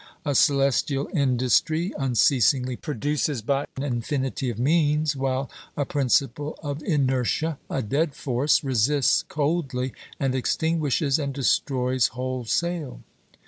A celestial industry unceasingly produces by an infinity of means, while a principle of inertia, a dead force, resists coldly and ex tinguishes and destroys wholesale.